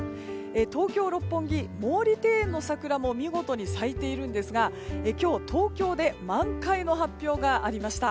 東京・六本木、毛利庭園の桜も見事に咲いているんですが今日、東京で満開の発表がありました。